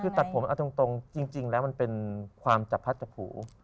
คือตัดผมเอาตรงจริงแล้วมันเป็นความจับพัดจับผู